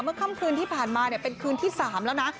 ค่ำคืนที่ผ่านมาเป็นคืนที่๓แล้วนะ